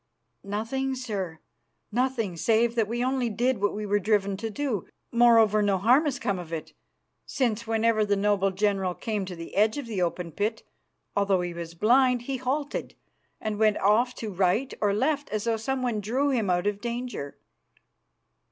"Nothing, sir, nothing, save that we only did what we were driven to do. Moreover, no harm has come of it, since whenever the noble general came to the edge of the opened pit, although he was blind, he halted and went off to right or left as though someone drew him out of danger."